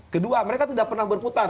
kedua mereka tidak pernah berputar